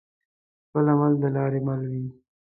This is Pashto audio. خپل عمل د لاري مل وي